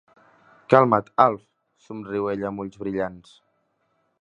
Calma't Alf —somriu ella amb ulls brillants—.